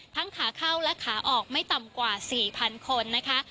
ทั้งขาเข้าและขาออกไม่ต่ำกว่าสี่พันคนนะคะ